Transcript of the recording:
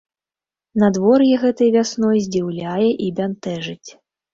Надвор'е гэтай вясной здзіўляе і бянтэжыць.